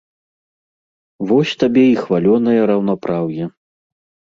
Вось табе і хвалёнае раўнапраўе.